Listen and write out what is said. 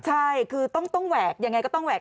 ใช่คือต้องแหวกยังไงก็ต้องแหวก